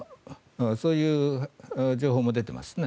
そういう情報も出ていますね。